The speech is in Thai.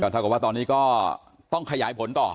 เท่ากับว่าตอนนี้ก็ต้องขยายผลต่อ